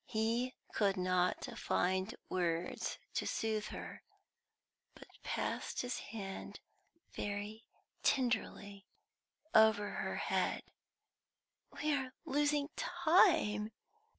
He could not find words to soothe her, but passed his hand very tenderly over her head. "We are losing time!"